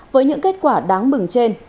với những kết quả đáng mừng trên